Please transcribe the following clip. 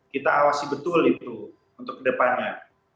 kita awasi betul itu untuk ke depannya